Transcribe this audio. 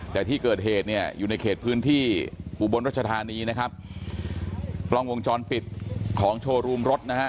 แต่ที่เกิดเหตุเนี่ยอยู่ในเขตพื้นที่อุบลรัชธานีนะครับกล้องวงจรปิดของโชว์รูมรถนะฮะ